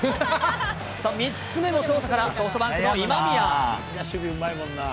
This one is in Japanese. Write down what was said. さあ３つ目もショートから、シフトバンクの今宮。